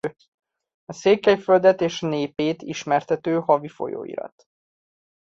A Székelyföldet és népét ismertető havi folyóirat.